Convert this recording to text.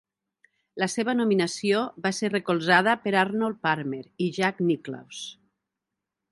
La seva nominació va ser recolzada per Arnold Palmer i Jack Nicklaus.